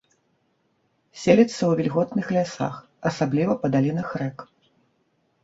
Селіцца ў вільготных лясах, асабліва па далінах рэк.